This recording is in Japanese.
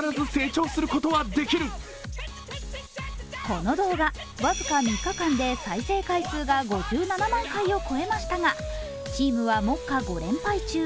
この動画、僅か３日間で再生回数が５７万回を超えましたがチームは目下５連敗中。